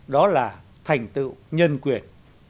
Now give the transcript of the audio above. đó là thành tựu nhân quyền